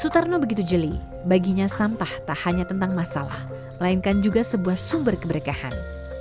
sutarno begitu jeli baginya sampah tak hanya tentang masalah melainkan juga sebuah sumber keberkahan